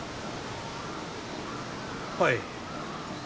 はい。